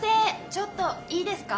ちょっといいですか？